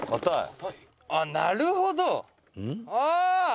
「あっなるほど！ああ！」